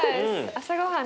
朝ごはん。